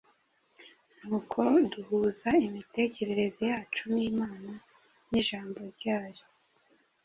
ni uko duhuza imitekerereze yacu n’Imana n’Ijambo ryayo.